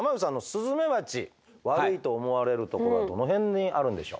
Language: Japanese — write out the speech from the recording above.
スズメバチ悪いと思われるところはどの辺にあるんでしょう？